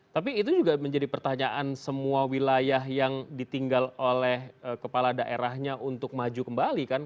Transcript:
tapi itu juga menjadi pertanyaan semua wilayah yang ditinggal oleh kepala daerahnya untuk maju kembali kan